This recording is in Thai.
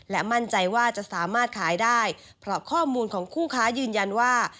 และมั่นใจว่าจะสามารถขายได้เพราะข้อมูลของคู่ค้ายืนยันว่า